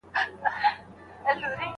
ایا ته د عبدالباري جهاني شعرونه خوښوې؟